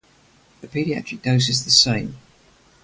The pediatric dose is the same.